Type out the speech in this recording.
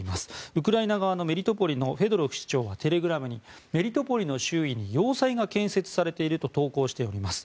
ウクライナ側のメリトポリのフェドロフ市長はテレグラムにメリトポリの周囲に要塞が建設されていると投稿しております。